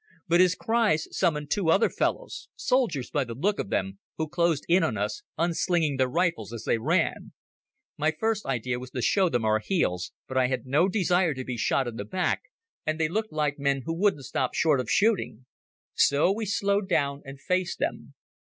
But his cries summoned two other fellows—soldiers by the look of them—who closed in on us, unslinging their rifles as they ran. My first idea was to show them our heels, but I had no desire to be shot in the back, and they looked like men who wouldn't stop short of shooting. So we slowed down and faced them.